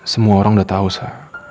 semua orang udah tahu saya